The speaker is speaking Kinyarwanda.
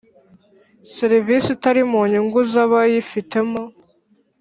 serivisi itari mu nyungu z abayifitemo